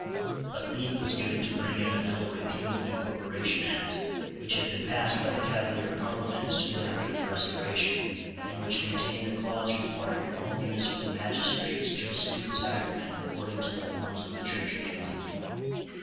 But leave was given to bring in a bill repealing the Corporation Act, which had been passed by the Cavalier Parliament soon after the Restoration, and which contained a clause requiring all municipal magistrates to receive the sacrament according to the forms of the Church of England.